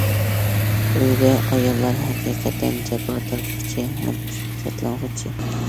ئۆيدە ئاياللار ھەقىقەتەن جاپا تارتقۇچى ھەم شادلانغۇچى.